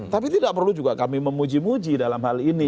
tapi tidak perlu juga kami memuji muji dalam hal ini